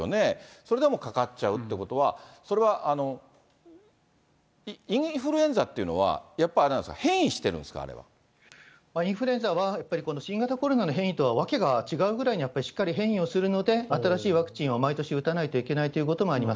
それでもかかっちゃうということは、それは、インフルエンザっていうのは、やっぱりあれなんですか、変異してるんですか、インフルエンザは、やっぱり新型コロナの変異とはわけが違うくらいに、やっぱりしっかり変異するので、新しいワクチンを毎年打たないといけないということもあります。